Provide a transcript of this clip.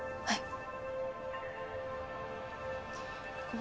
はい。